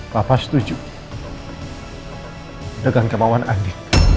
bapak setuju dengan kemauan andi